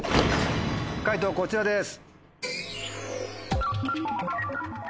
解答こちらです。